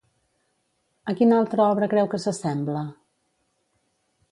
A quina altra obra creu que s'assembla?